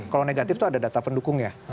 kalau negatif itu ada data pendukungnya